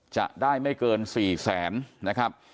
จะได้ไม่เกิน๔แสน